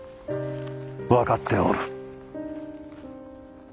分かっておる。